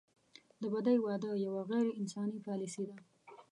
د بدۍ واده یوه غیر انساني پالیسي ده.